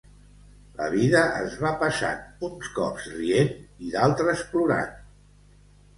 La vida es va passant, uns cops rient i d'altres plorant.